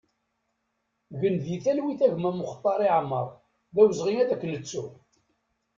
Gen di talwit a gma Muxtari Amar, d awezɣi ad k-nettu!